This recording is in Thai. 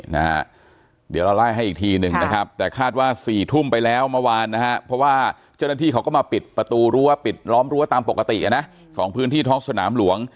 เดี๋ยวเราไล่ให้อีกทีหนึ่งนะครับแต่คาดว่าสี่ทุ่มไปแล้วเมื่อวานนะฮะเพราะว่าเจ้าหน้าที่เขาก็มาปิดประตูรั้วปิดล้อมรั้วตามปกติอ่ะนะของพื้นที่ท้องสนามหลวง